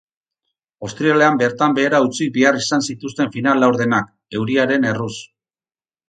Ostiralean bertan behera utzi behar izan zituzten final laurdenak, euriaren erruz.